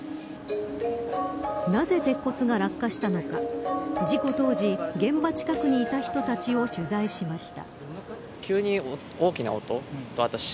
なぜ鉄骨が落下したのか事故当時現場近くにいた人たちを取材しました。